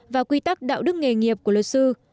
và quy tắc đạo đức nghề nghiệp của luật sư